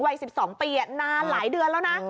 วัย๑๒ปีนานหลายเดือนแล้วนะ